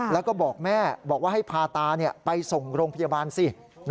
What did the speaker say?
แล้วก็บอกแม่บอกว่าให้พาตาไปส่งโรงพยาบาลสิ